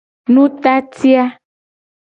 Nutati a.